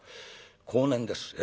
後年です。